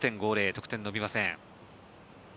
得点伸びません。